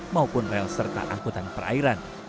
maupun rel serta angkutan perairan